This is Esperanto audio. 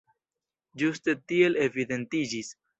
Ĝuste tiel evidentiĝis.